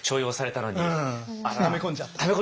ため込んじゃった。